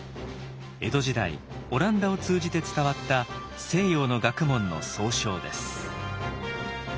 江戸時代オランダを通じて伝わった西洋の学問の総称です。